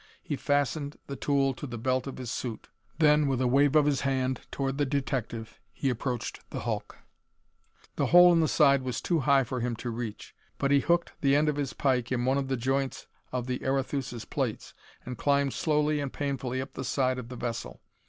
He fastened the tool to the belt of his suit. Then, with a wave of his hand toward the detective, he approached the hulk. The hole in the side was too high for him to reach, but he hooked the end of his pike in one of the joints of the Arethusa's plates and climbed slowly and painfully up the side of the vessel.